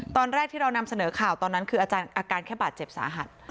ตอนแรกที่เรานำเสนอข่าวตอนนั้นคืออาการแค่บาดเจ็บสาหัส